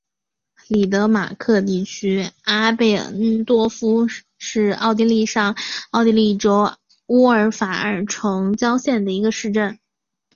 里德马克地区阿贝恩多夫是奥地利上奥地利州乌尔法尔城郊县的一个市镇。